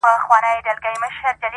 را ژوندی سوی يم، اساس يمه احساس يمه.